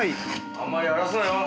あんまり荒らすなよ！